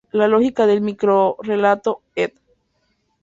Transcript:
La logia del microrrelato", Ed.